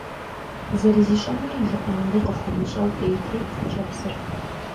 Зэрызищӏынури жиӏэнури къыхуэмыщӏэу, пӏейтейт хъыджэбзыр.